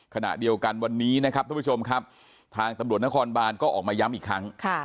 ขณะเดียวกันวันนี้นะครับทุกผู้ชมครับทางตำรวจนครบานก็ออกมาย้ำอีกครั้ง